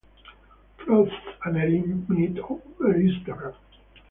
Frost and Erin met over Instagram.